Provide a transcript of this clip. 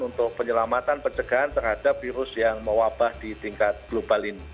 untuk penyelamatan pencegahan terhadap virus yang mewabah di tingkat global ini